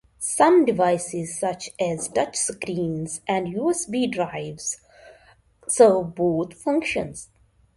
The acquisition is subject to clearance by the competent merger control authorities.